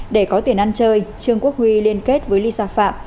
để có tiền ăn chơi trương quốc huy liên kết với lisa phạm